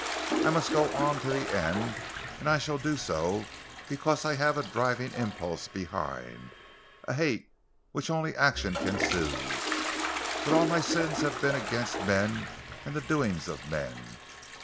I must go on to the end, and I shall do so because I have a driving impulse behind, a hate which only action can soothe. But all my sins have been against men and the doings of men.